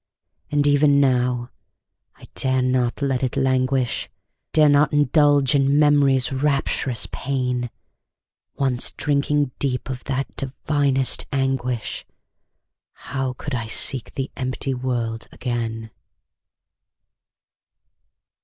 And even now, I dare not let it languish, Dare not indulge in Memory's rapturous pain; Once drinking deep of that divinest anguish, How could I seek the empty world again?